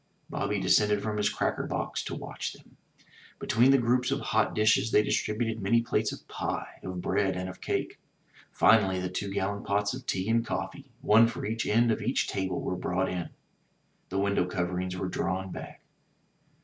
Bobby descended from his cracker box to watch them. Between the groups of hot dishes they distributed many plates of pie, of bread and of cake. Finally the two gallon pots of tea and coffee, one for each end of each table, were brought in. The window cov erings were drawn back.